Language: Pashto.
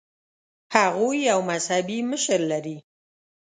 هغوی یو مذهبي مشر لري.